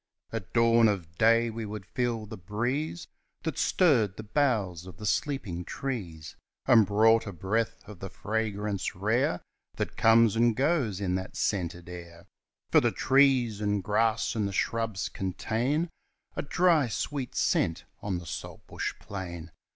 At dawn of day we would feel the breeze That stirred the boughs of the sleeping trees, And brought a breath of the fragrance rare That comes and goes in that scented air; For the trees and grass and the shrubs contain A dry sweet scent on the saltbush plain.